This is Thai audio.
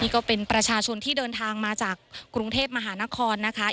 ก็เป็นประชาชนที่เดินทางมาจากกรุงเทพมหานครนะคะ